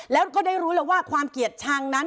แล้วก็ได้รู้แล้วว่าความเกลียดชังนั้น